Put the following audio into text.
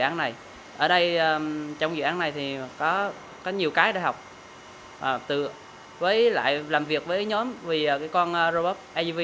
án này ở đây trong dự án này thì có nhiều cái để học từ với lại làm việc với nhóm vì cái con robot agv